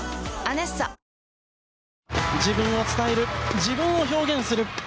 自分を伝える自分を表現する。